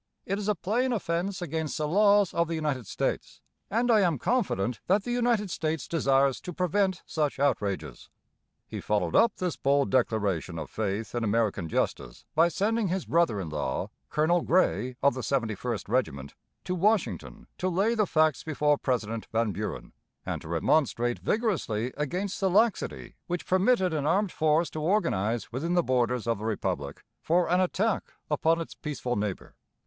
It is a plain offence against the laws of the United States, and I am confident that the United States desires to prevent such outrages.' He followed up this bold declaration of faith in American justice by sending his brother in law, Colonel Grey of the 71st Regiment, to Washington to lay the facts before President Van Buren and to remonstrate vigorously against the laxity which permitted an armed force to organize within the borders of the Republic for an attack upon its peaceful neighbour.